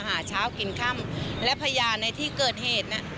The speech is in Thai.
หาเช้ากินค่ำและพยานในที่เกิดเหตุน่ะ